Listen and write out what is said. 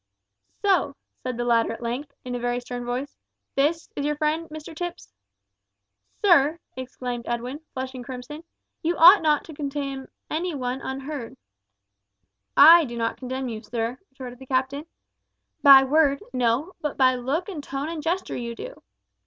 "So," said the latter at length, in a very stern voice, "this is your friend, Mr Tipps?" "Sir," exclaimed Edwin, flushing crimson, "you ought not to condemn any one unheard." "I do not condemn you, sir," retorted the captain. "By word, no, but by look and tone and gesture you do."